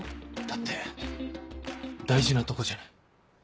だって大事なとこじゃない。